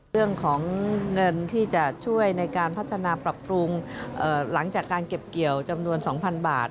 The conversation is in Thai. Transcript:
เรื่องของเงินที่จะช่วยในการพัฒนาปรับปรุงหลังจากการเก็บเกี่ยวจำนวน๒๐๐๐บาท